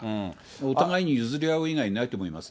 お互いに譲り合わざるをえないと思いますね。